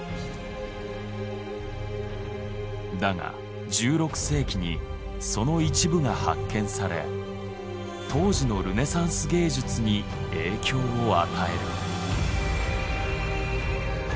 だが１６世紀にその一部が発見され当時のルネサンス芸術に影響を与える。